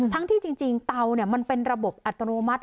ที่จริงเตามันเป็นระบบอัตโนมัติ